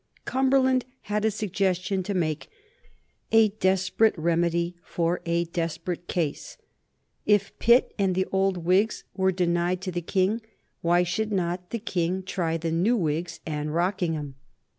Cumberland had a suggestion to make, a desperate remedy for a desperate case. If Pitt and the old Whigs were denied to the King, why should not the King try the new Whigs and Rockingham?